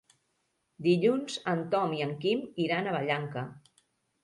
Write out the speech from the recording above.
Dilluns en Tom i en Quim iran a Vallanca.